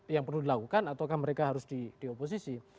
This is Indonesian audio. yang perlu dilakukan atau mereka harus dioposisi